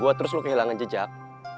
gue terus lo kehilangan jejak